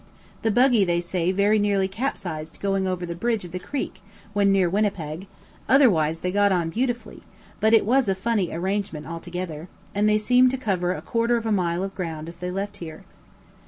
The buggy they say very nearly capsized going over the bridge of the creek when near Winnipeg, otherwise they got on beautifully; but it was a funny arrangement altogether, and they seemed to cover a quarter of a mile of ground as they left here.